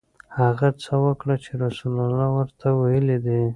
هغه څه وکړه چې رسول الله ورته ویلي دي.